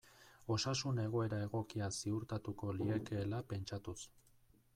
Osasun egoera egokia ziurtatuko liekeela pentsatuz.